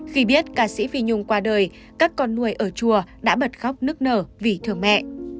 khi biết ca sĩ phi nhung qua đời các con nuôi ở chùa đã bật khóc nức nở vì thường mẹ